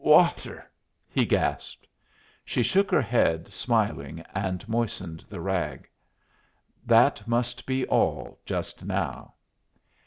"Water!" he gasped. She shook her head, smiling, and moistened the rag. That must be all just now.